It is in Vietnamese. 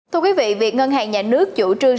thưa quý vị việc ngân hàng nhà nước chủ trương